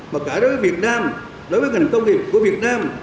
mà cả đối với việt nam đối với ngành công nghiệp của việt nam